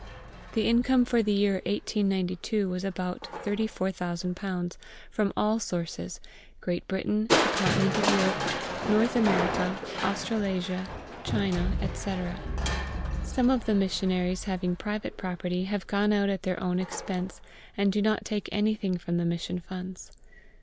The income for the year 1892 was about £34,000 from all sources Great Britain, the Continent of Europe, North America, Australasia, China, etc. Some of the missionaries having private property have gone out at their own expense, and do not take anything from the Mission funds.